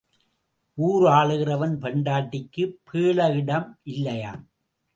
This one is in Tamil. ஊர் ஆளுகிறவன் பெண்டாட்டிக்குப் பேள இடம் இல்லையாம்.